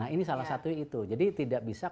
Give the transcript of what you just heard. nah ini salah satu itu jadi tidak bisa